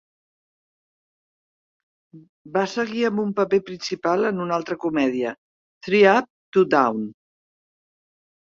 Va seguir amb un paper principal en una altra comèdia, "Three Up, Two Down".